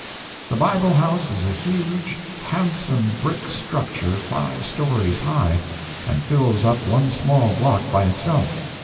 The Bible House is a huge, handsome brick structure five stories high, and fills up one small block by itself.